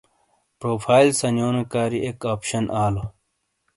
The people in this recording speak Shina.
پروفائل سَنیونو کاری اک اپشن آلو۔